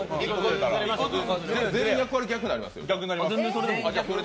全員役割逆になりますよ。